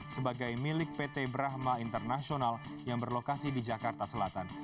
sebagai milik pt brahma international yang berlokasi di jakarta selatan